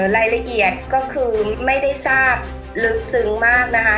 รายละเอียดก็คือไม่ได้ทราบลึกซึ้งมากนะคะ